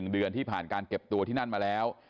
๑เดือนที่ผ่านการเก็บตัวที่นั่นมาแล้ว